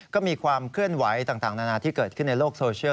ก็มีความเคลื่อนไหวต่างนานาที่เกิดขึ้นในโลกโซเชียล